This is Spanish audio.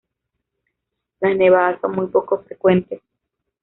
Las nevadas son muy poco frecuentes.